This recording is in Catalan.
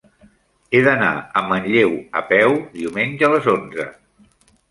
He d'anar a Manlleu a peu diumenge a les onze.